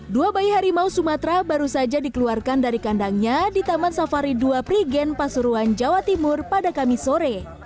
dua bayi harimau sumatera baru saja dikeluarkan dari kandangnya di taman safari dua prigen pasuruan jawa timur pada kamis sore